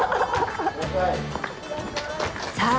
さあ